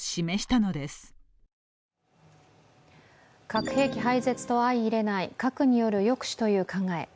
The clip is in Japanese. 核兵器廃絶とは相いれない核による抑止という考え。